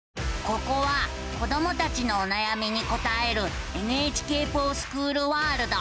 ここは子どもたちのおなやみに答える「ＮＨＫｆｏｒＳｃｈｏｏｌワールド」。